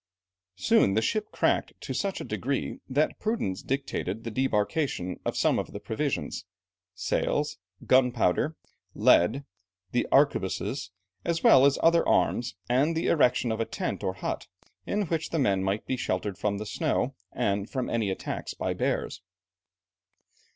Soon the ship cracked to such a degree, that prudence dictated the debarkation of some of the provisions, sails, gunpowder, lead, the arquebuses as well as other arms, and the erection of a tent or hut, in which the men might be sheltered from the snow and from any attacks by bears.